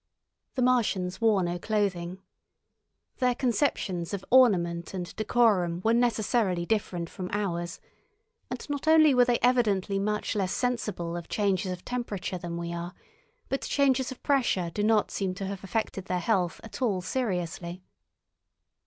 The Martians wore no clothing. Their conceptions of ornament and decorum were necessarily different from ours; and not only were they evidently much less sensible of changes of temperature than we are, but changes of pressure do not seem to have affected their health at all seriously.